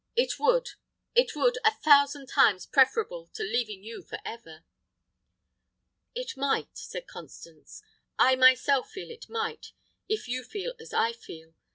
It would, it would, a thousand times preferable to leaving you for ever!" "It might," said Constance; "I myself feel it might, if you feel as I feel.